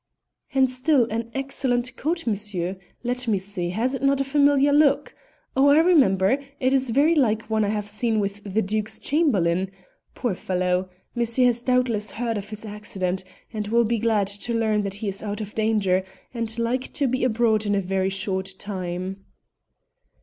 "And still an excellent coat, monsieur. Let me see; has it not a familiar look? Oh! I remember; it is very like one I have seen with the Duke's Chamberlain poor fellow! Monsieur has doubtless heard of his accident, and will be glad to learn that he is out of danger, and like to be abroad in a very short time."